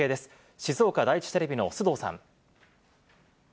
静岡第一テレビの須藤さん。